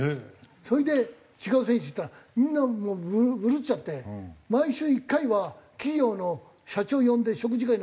それで違う選手いったらみんなもうブルっちゃって毎週１回は企業の社長呼んで食事会なんだって。